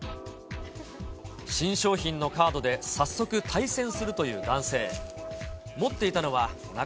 新商品のカードで早速、対戦するという男性。